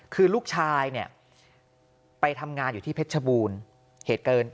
คือลูกชายไปทำงานอยู่ที่เพชรบูรณ์